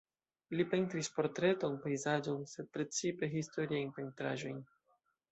Li pentris portretojn, pejzaĝojn, sed precipe historiajn pentraĵojn.